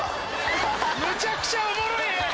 むちゃくちゃおもろい画！